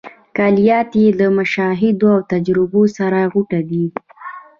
کلیات یې له مشاهدو او تجربو سره غوټه دي.